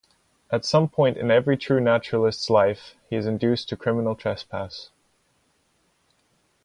At some point in every true naturalist's life he is induced to criminal trespass.